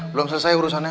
belum selesai urusan ya